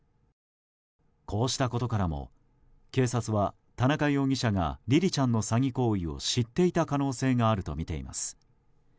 こうしたことからも警察は、田中容疑者がりりちゃんの詐欺行為を知っていた可能性があるとみています。